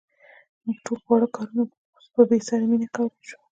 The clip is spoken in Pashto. موږ ټول واړه کارونه په بې ساري مینه کولای شو.